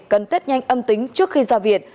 cần test nhanh âm tính trước khi ra viện